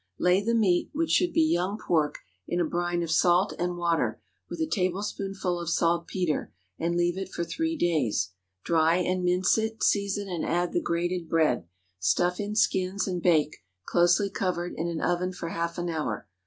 Lay the meat, which should be young pork, in a brine of salt and water, with a tablespoonful of saltpetre, and leave it for three days. Dry and mince it, season, and add the grated bread. Stuff in skins, and bake, closely covered, in an oven for half an hour.